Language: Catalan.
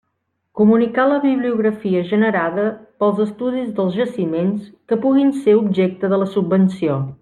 Comunicar la bibliografia generada pels estudis dels jaciments que puguin ser objecte de la subvenció.